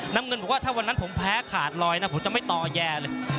น้ำเงินบอกว่าถ้าวันนั้นผมแพ้ขาดลอยนะผมจะไม่ต่อแย่เลย